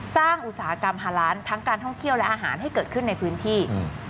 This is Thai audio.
อุตสาหกรรมฮาล้านทั้งการท่องเที่ยวและอาหารให้เกิดขึ้นในพื้นที่